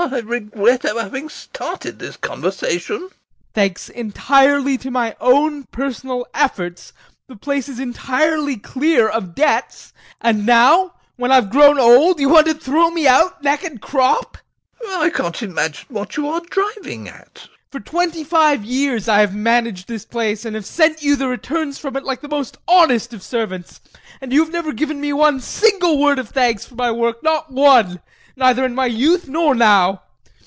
SEREBRAKOFF. I regret ever having started this conversation. VOITSKI. Thanks entirely to my own personal efforts, the place is entirely clear of debts, and now, when I have grown old, you want to throw me out, neck and crop! SEREBRAKOFF. I can't imagine what you are driving at. VOITSKI. For twenty five years I have managed this place, and have sent you the returns from it like the most honest of servants, and you have never given me one single word of thanks for my work, not one neither in my youth nor now.